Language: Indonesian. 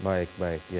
baik baik ya